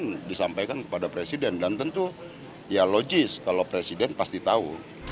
yang disampaikan kepada presiden dan tentu ya logis kalau presiden pasti tahu